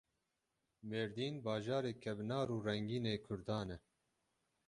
Mêrdîn bajarê kevnar û rengîn ê Kurdan e.